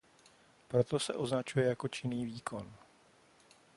Proto se označuje jako "činný výkon".